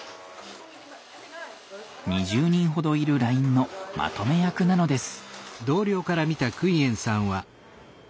２０人ほどいるラインのまとめ役なのです。